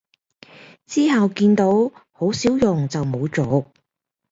之後見都好少用就冇續